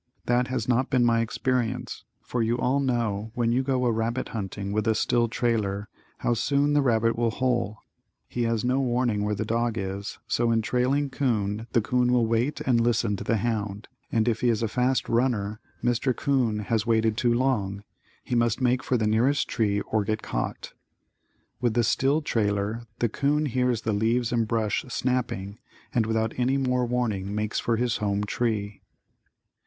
That has not been my experience, for you all know when you go a rabbit hunting with a still trailer, how soon the rabbit will hole. He has no warning where the dog is, so in trailing 'coon, the 'coon will wait and listen to the hound and if he is a fast runner, Mr. 'Coon has waited too long. He must make for the nearest tree or get caught. With the still trailer, the 'coon hears the leaves and brush snapping and without any more warning makes for his home tree.